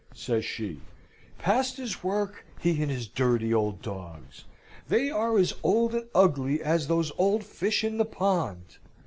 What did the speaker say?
says she; "past his work, he and his dirty old dogs! They are as old and ugly as those old fish in the pond!"